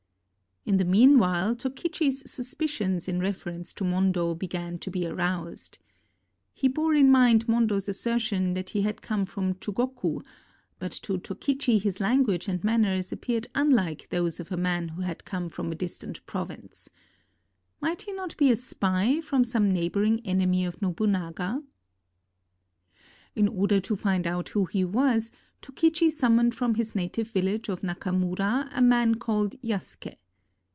In the mean while Tokichi's suspicions in reference to Mondo began to be aroused. He bore in mind Mondo's assertion that he had come from Chugoku, but to Toki chi his language and manners appeared unlike those of a man who had come from a distant province. Might he not be a spy from some neighboring enemy of Nobunaga? In order to find out who he was, Tokichi summoned from his native village of. Nakamura a man called Yasuke.